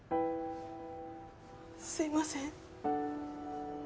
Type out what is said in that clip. すいません。